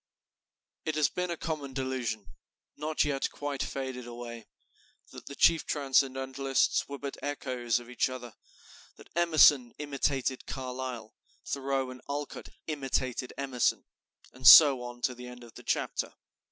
It has been a common delusion, not yet quite faded away, that the chief Transcendentalists were but echoes of each other, that Emerson imitated Carlyle, Thoreau and Alcott imitated Emerson, and so on to the end of the chapter.